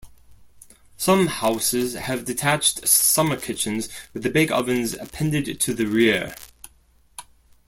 Some houses have detached summer kitchens with bake ovens appended to the rear.